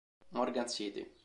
Morgan City